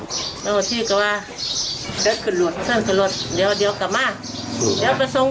เจ้าหน้าที่ก็ว่าเดี๋ยวขึ้นรถ